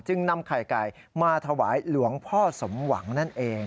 นำไข่ไก่มาถวายหลวงพ่อสมหวังนั่นเอง